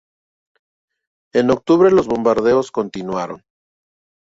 En octubre los bombardeos continuaron.